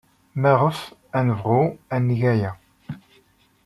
Maɣef ad nebɣu ad neg aya?